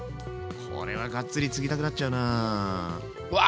これはがっつりつぎたくなっちゃうな。わ！